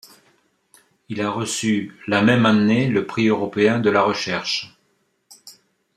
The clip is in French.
Il a reçu la même année le prix européen de la recherche.